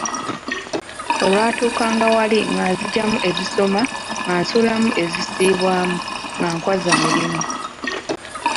Olwatuukanga wali nga nzigyamu ezisoma nga nsuulamu ezisiibwamu nga nkwazza mirimu.